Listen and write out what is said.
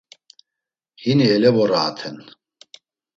Hini elevoraaten.